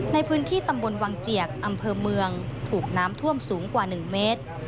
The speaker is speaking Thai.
ในพื้นที่ตำบลวังเจียกอำเภอเมืองถูกน้ำท่วมสูงกว่า๑เมตร